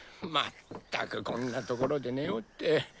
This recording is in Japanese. まったくこんなところで寝おって。